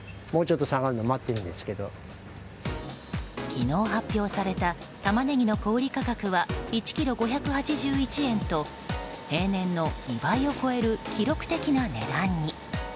昨日発表されたタマネギの小売価格は１ｋｇ＝５８１円と平年の２倍を超える記録的な値段に。